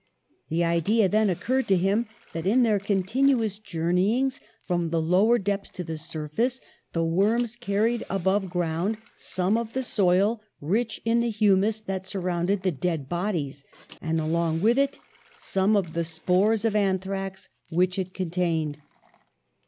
The idea then occurred to him that in their continuous journeyings from the lower depths to the surface the worms carried above ground some of the soil rich in the humus that surrounded the dead bodies, and along with it some of the spores of anthrax which it con tained.